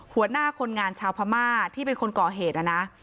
หัวหน้าคนงานชาวพม่าที่เป็นคนก่อเหตุนะนะ